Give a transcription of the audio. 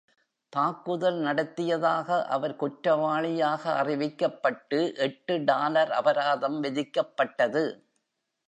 தாக்குதல் நடத்தியதாக அவர் குற்றவாளியாக அறிவிக்கப்பட்டு, எட்டு டாலர் அபராதம் விதிக்கப்பட்டது.